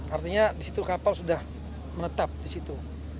artinya di situ kapal sudah menetap di situ